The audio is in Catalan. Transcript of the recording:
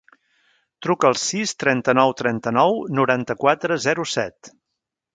Truca al sis, trenta-nou, trenta-nou, noranta-quatre, zero, set.